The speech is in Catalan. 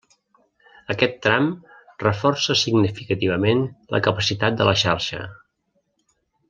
Aquest tram reforça significativament la capacitat de la xarxa.